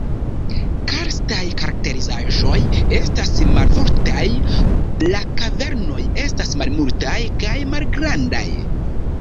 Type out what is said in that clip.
Karstaj karakterizaĵoj estas malfortaj, la kavernoj estas malmultaj kaj malgrandaj.